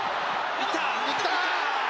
・・いった！